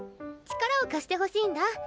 力を貸してほしいんだ。